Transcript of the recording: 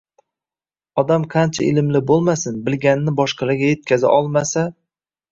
Odam qancha ilmli bo‘lmasin, bilganini boshqalarga yetkaza olmasa